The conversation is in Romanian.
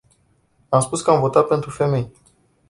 Am spus că am votat pentru femei.